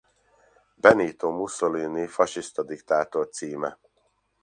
Benito Mussolini fasiszta diktátor címe.